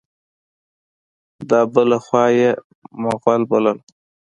دا بله خوا یې مغل بلل.